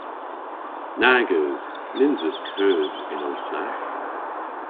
Nag eus! Nyns eus keus yn ow sagh!